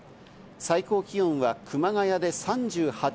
最高気温は熊谷で３８度。